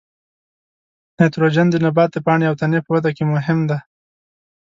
نایتروجن د نبات د پاڼې او تنې په وده کې مهم دی.